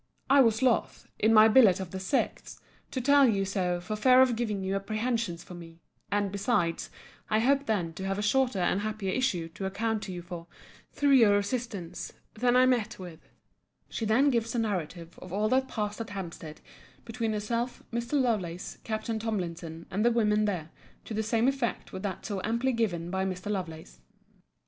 I was loth, in my billet of the 6th,* to tell you so, for fear of giving you apprehensions for me; and besides, I hoped then to have a shorter and happier issue to account to you for, through your assistance, than I met with. * See Vol. V. Letter XXXI. [She then gives a narrative of all that passed at Hampstead between herself, Mr. Lovelace, Capt. Tomlinson, and the women there, to the same effect with that so amply given by Mr. Lovelace.